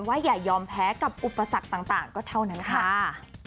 อย่ายอมแพ้กับอุปสรรคต่างก็เท่านั้นค่ะ